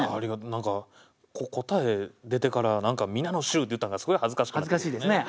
何か答え出てから何か「皆の衆」って言ったんがすごい恥ずかしかったというね。